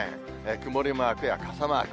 曇りマークや傘マーク。